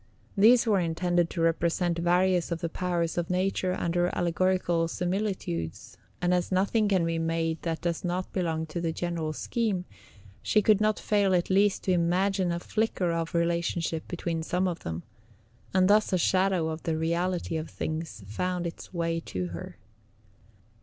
These were intended to represent various of the powers of Nature under allegorical similitudes, and as nothing can be made that does not belong to the general scheme, she could not fail at least to imagine a flicker of relationship between some of them, and thus a shadow of the reality of things found its way to her.